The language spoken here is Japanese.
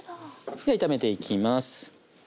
では炒めていきます。